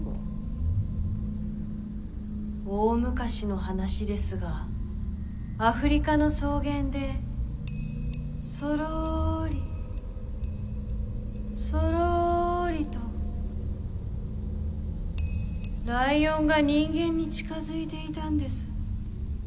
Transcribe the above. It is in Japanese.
大昔の話ですがアフリカの草原でそろりそろりとライオンが人間に近づいていたんです。